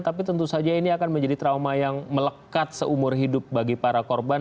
tapi tentu saja ini akan menjadi trauma yang melekat seumur hidup bagi para korban